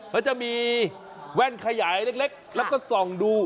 เขาจะมีแว่นขยายเล็กแล้วก็ส่องดู